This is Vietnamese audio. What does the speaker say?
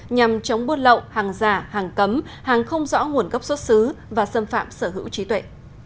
nhằm chống buôn lậu hàng giả hàng cấm hàng không rõ nguồn gốc xuất xứ và xâm phạm sở hữu trí tuệ